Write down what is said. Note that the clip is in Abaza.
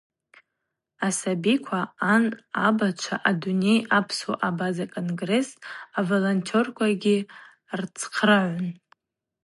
Асабикви ан-абачви Адуней апсуа-абаза конгресс аволонтерквагьи рцхърагӏун.